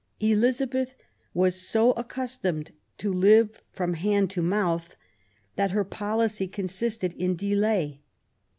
Elizabeth was so accustomed to live from hand to mouth that her policy consisted in delay.